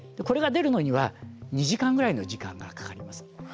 これが出るのには２時間ぐらいの時間がかかります。